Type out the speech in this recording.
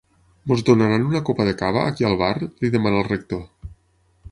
Ens donaran una copa de cava, aquí al bar? —li demana el rector.